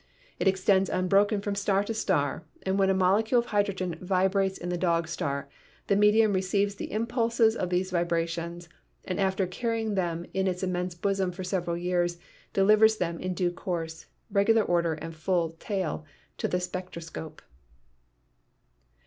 It extends unbroken from star to star, and when a molecule of hydrogen vibrates in the dog star, the medium receives the impulses of these vibrations, and after carry ing them in its immense bosom for several years, delivers them, in due course, regular order and full tale, into the spectroscope."